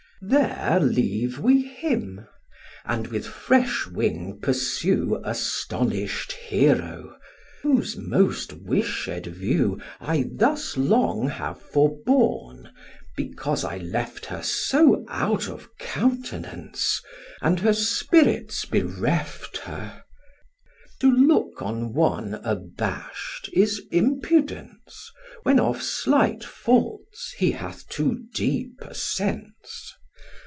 There leave we him; and with fresh wing pursue Astonish'd Hero, whose most wished view I thus long have forborne, because I left her So out of countenance, and her spirits bereft her: To look of one abashed is impudence, When of slight faults he hath too deep a sense.